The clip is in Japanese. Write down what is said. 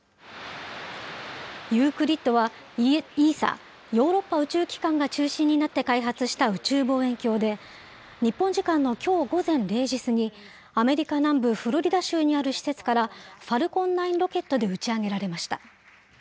ユークリッドは、ＥＳＡ・ヨーロッパ宇宙機関が中心になって開発した宇宙望遠鏡で、日本時間のきょう午前０時過ぎ、アメリカ南部フロリダ州にある施設から、ファルコン９ロケットで打ち上げられました。